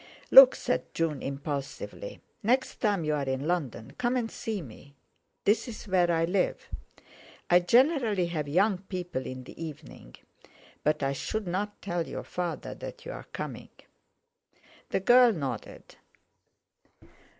"Look!" said June impulsively, "next time you're in London, come and see me. This is where I live. I generally have young people in the evening. But I shouldn't tell your father that you're coming." The girl nodded.